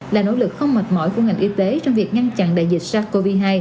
là nỗ lực không mệt mỏi của ngành y tế trong việc ngăn chặn đại dịch sars cov hai